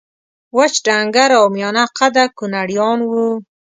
وچ ډنګر او میانه قده کونړیان وو